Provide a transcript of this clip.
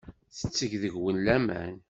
Yetteg deg-wen laman.